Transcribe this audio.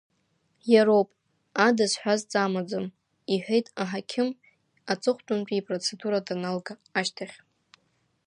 Иароуп, ада зҳәазҵа амаӡам, — иҳәеит аҳақьым аҵыхәтәантәи ипроцедура даналга ашьҭахь.